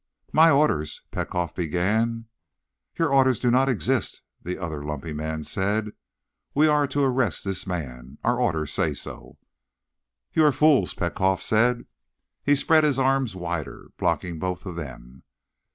"My orders—" Petkoff began. "Your orders do not exist," the other lumpy man said. "We are to arrest this man. Our orders say so." "You are fools," Petkoff said. He spread his arms wider, blocking both of them.